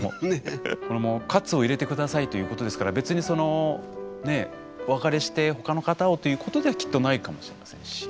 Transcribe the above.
この「かつを入れてください」ということですから別にそのねお別れして他の方をということではきっとないかもしれませんし。